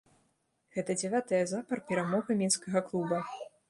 Гэта дзявятая запар перамога мінскага клуба.